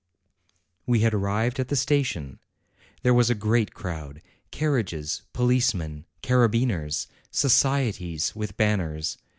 We had arrived at the station; there was a great crowd, carriages, policemen, carabineers, societies with banners.